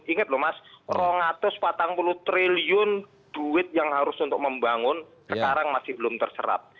ingat loh mas rongatus empat puluh triliun duit yang harus untuk membangun sekarang masih belum terserap